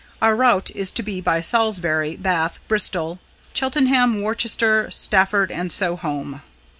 Our route is to be by Salisbury, Bath, Bristol, Cheltenham, Worcester, Stafford; and so home."